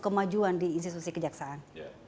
kemajuan di institusi kejaksaan